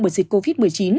bởi dịch covid một mươi chín